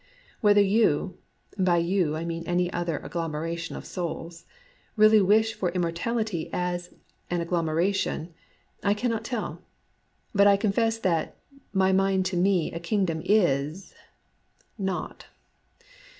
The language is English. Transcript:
Whether you (by you I mean any other agglomeration of souls) really wish for im mortality as an agglomeration, I cannot tell. But I confess that " my mind to me a king dom is "— not